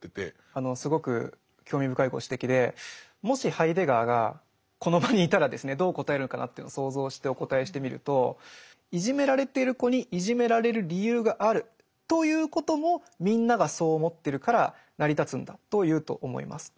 すごく興味深いご指摘でもしハイデガーがこの場にいたらですねどう答えるのかなというのを想像してお答えしてみると「いじめられている子にいじめられる理由があるということもみんながそう思ってるから成り立つんだ」と言うと思います。